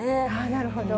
なるほど。